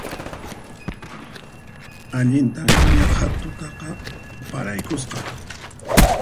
Allintan naqha tutaqa paraykusqa